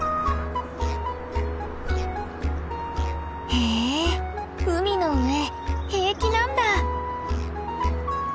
へえ海の上平気なんだ！